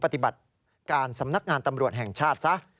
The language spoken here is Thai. ปฏิบัติการสำนักงานตำรวจแห่งชาติซะ